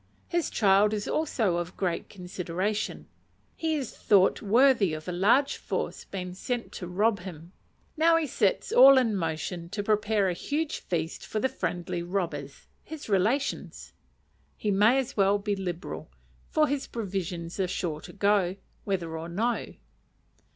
His child is also of great consideration; he is thought worthy of a large force being sent to rob him! Now he sets all in motion to prepare a huge feast for the friendly robbers, his relations. He may as well be liberal, for his provisions are sure to go, whether or no.